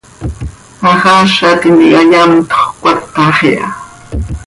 Haxaaza tintica yamtxö cöcatax iha.